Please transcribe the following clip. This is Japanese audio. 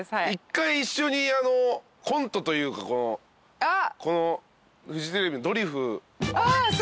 １回一緒にコントというかこのフジテレビの『ドリフ』あっそうですね。